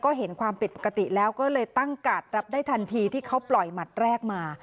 ก็เห็นความผิดปกติแล้วก็เลยตั้งการ์ดรับได้ทันทีที่เขาปล่อยหมัดแรกมา